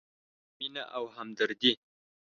مینه او همدردي: